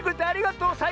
ありがとう！